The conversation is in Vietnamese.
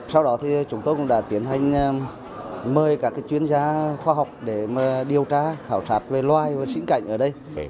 sau đó thì chúng tôi cũng đã tiến hành mời các chuyên gia khoa học để điều tra khảo sát về loài và sinh cảnh ở đây